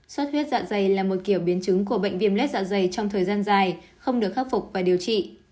suốt huyết dạ dày là một kiểu biến chứng của bệnh viêm lết dạ dày trong thời gian dài không được khắc phục và điều trị